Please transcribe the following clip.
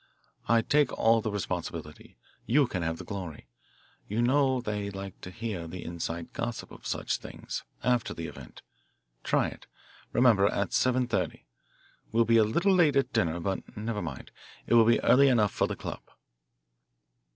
I take all the responsibility; you can have the glory. You know they like to hear the inside gossip of such things, after the event. Try it. Remember, at seven thirty. We'll be a little late at dinner, but never mind; it will be early enough for the club."